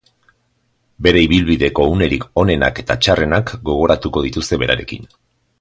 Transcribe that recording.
Bere ibilbideko unerik onenak eta txarrenak gogoratuko dituzte berarekin.